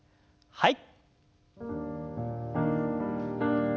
はい。